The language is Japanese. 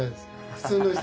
普通の人。